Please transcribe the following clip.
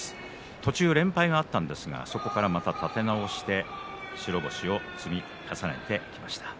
途中、連敗だったんですがそこからまた立て直して白星を積み重ねてきました。